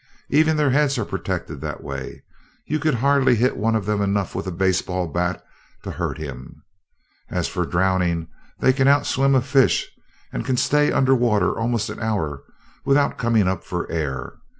Even their heads are protected that way you could hardly hit one of them enough with a baseball bat to hurt him. And as for drowning they can out swim a fish, and can stay under water almost an hour without coming up for air.